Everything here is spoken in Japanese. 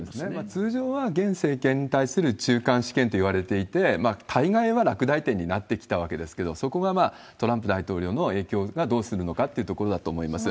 通常は現政権に対する中間試験といわれていて、大概は落第点になってきたわけですけれども、そこがトランプ大統領の影響がどうするのかっていうところだと思います。